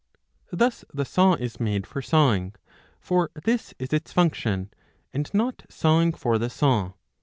Thus the saw is made for sawing, for this is its function, and not sawing for the saw.